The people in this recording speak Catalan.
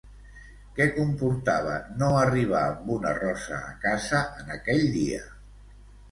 Què comportava no arribar amb una rosa a casa en aquell dia?